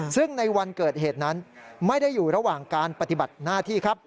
ซึ่งในวันเกิดเหตุนั้นไม่ได้อยู่ระหว่างการปฏิบัติหน้าที่ครับ